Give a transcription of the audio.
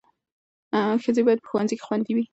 ښځې باید په ښوونځیو کې خوندي وي.